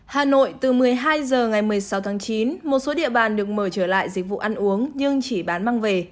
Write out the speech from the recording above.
hà nội từ một mươi hai h ngày một mươi sáu tháng chín một số địa bàn được mở trở lại dịch vụ ăn uống nhưng chỉ bán mang về